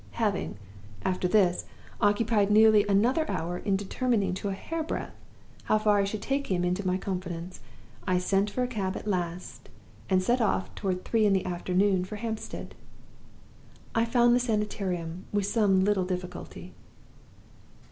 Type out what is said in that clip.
Having, after this, occupied nearly another hour in determining to a hair breadth how far I should take him into my confidence, I sent for a cab at last, and set off toward three in the afternoon for Hampstead. "I found the Sanitarium with some little difficulty.